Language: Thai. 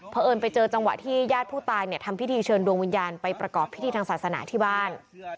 เพราะเอิญไปเจอจังหวะที่ญาติผู้ตายเนี่ยทำพิธีเชิญดวงวิญญาณไปประกอบพิธีทางศาสนาที่บ้าน